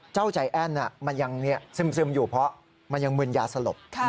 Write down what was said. เจ้าใจแอ้นมันยังซึมอยู่เพราะมันยังมึนยาสลบ